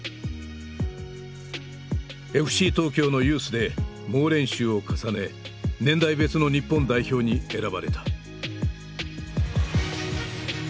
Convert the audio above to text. ＦＣ東京のユースで猛練習を重ね年代別の日本代表に選ばれた。